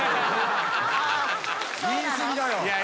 言い過ぎだよ。